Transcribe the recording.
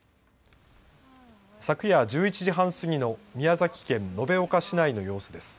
昨夜１１時半過ぎの宮崎県延岡市内の様子です。